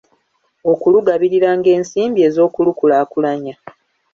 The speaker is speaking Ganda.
Okulugabiriranga ensimbi ez’okulukulaakulanya